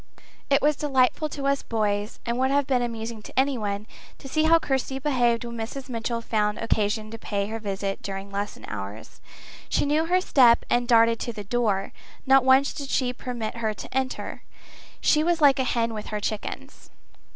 It was delightful to us boys, and would have been amusing to anyone, to see how Kirsty behaved when Mrs. Mitchell found occasion to pay her a visit during lesson hours. She knew her step and darted to the door. Not once did she permit her to enter. She was like a hen with her chickens.